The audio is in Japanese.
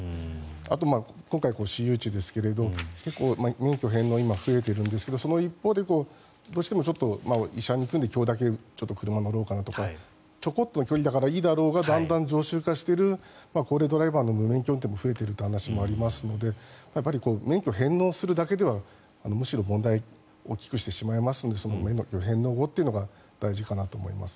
あと、今回、私有地ですが免許返納、今増えているんですがその一方でどうしても医者に行くので今日だけちょっと車に乗ろうかなとかちょこっとの距離だからいいだろうがだんだん常習化している高齢ドライバーの無免許運転も増えているという話もあるのでやっぱり免許返納するだけではむしろ問題を大きくしてしまいますので免許返納後というのが大事かなと思います。